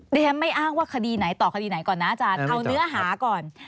ดิฉันไม่อ้างว่าคดีไหนต่อคดีไหนก่อนนะอาจารย์เอาเนื้อหาก่อน